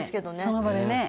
「その場でね」